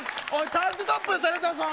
タンクトップにされたぞ。